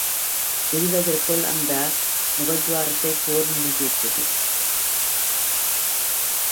விடிவதற்குள் அந்த முகத்துவாரத்துப் போர் முடிந்துவிட்டது.